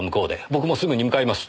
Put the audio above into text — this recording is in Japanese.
僕もすぐに向かいます。